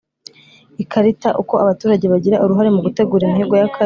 Ikarita Uko abaturage bagira uruhare mu gutegura imihigo y akarere